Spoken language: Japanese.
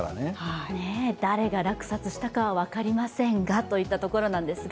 誰が落札したかは分かりませんがといったところですが。